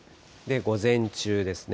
午前中ですね。